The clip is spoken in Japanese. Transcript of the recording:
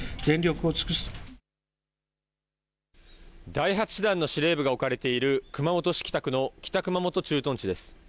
第８師団の司令部が置かれている熊本市北区の北熊本駐屯地です。